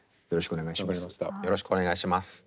よろしくお願いします。